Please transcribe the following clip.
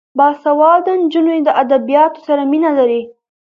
باسواده نجونې د ادبیاتو سره مینه لري.